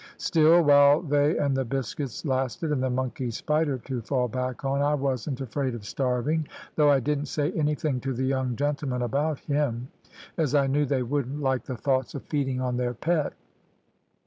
Still, while they and the biscuits lasted, and the monkey Spider to fall back on, I wasn't afraid of starving, though I didn't say anything to the young gentlemen about him, as I knew they wouldn't like the thoughts of feeding on their pet.